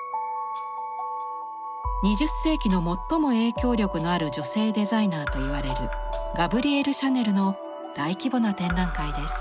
２０世紀の最も影響力のある女性デザイナーといわれるガブリエル・シャネルの大規模な展覧会です。